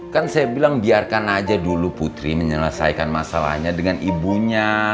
kan saya bilang biarkan aja dulu putri menyelesaikan masalahnya dengan ibunya